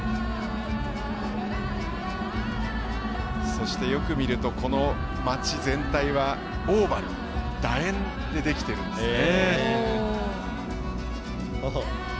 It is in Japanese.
そしてよく見ると街全体はオーバルだ円で、できているんですね。